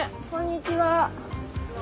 こんにちは。